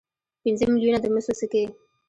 پنځه میلیونه د مسو سکې.